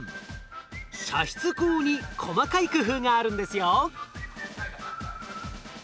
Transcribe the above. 射出口に細かい工夫があるんですよ。